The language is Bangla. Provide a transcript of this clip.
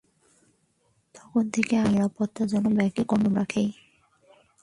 তখন থেকে আমি সবসময় নিরাপত্তার জন্য ব্যাগে কনডম রাখি।